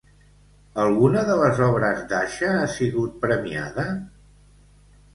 Alguna de les obres d'Asha ha sigut premiada?